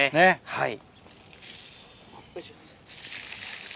はい。